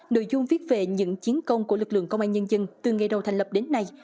nội dung viết về những chiến công của lực lượng công an nhân dân từ ngày đầu thành lập đến nay